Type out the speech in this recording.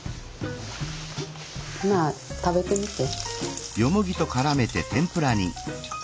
まあ食べてみて。